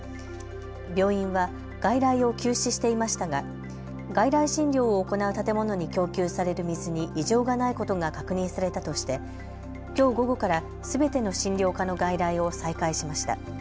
病院は外来を休止していましたが外来診療を行う建物に供給される水に異常がないことが確認されたとしてきょう午後からすべての診療科の外来を再開しました。